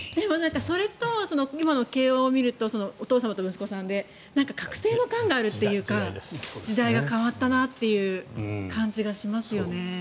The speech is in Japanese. それと今の慶応を見るとお父様と息子さんで隔世の感があるというか時代が変わったなという感じがしますね。